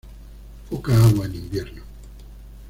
Poca agua en invierno.